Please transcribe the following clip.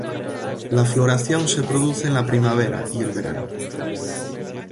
La floración se produce en la primavera y el verano.